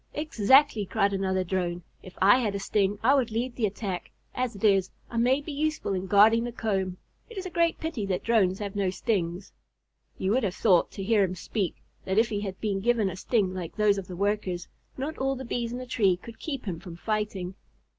"Exactly!" cried another Drone. "If I had a sting, I would lead the attack. As it is, I may be useful in guarding the comb. It is a great pity that Drones have no stings." You would have thought, to hear him speak, that if he had been given a sting like those of the Workers, not all the Bees in the tree could keep him from fighting.